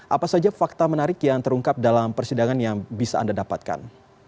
apa saja fakta menarik yang terungkap dalam persidangan yang bisa anda dapatkan